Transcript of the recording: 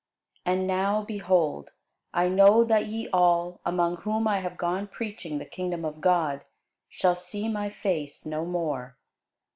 And now, behold, I know that ye all, among whom I have gone preaching the kingdom of God, shall see my face no more.